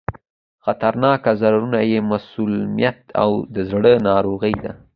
خطرناک ضررونه یې مسمومیت او د زړه ناروغي دي.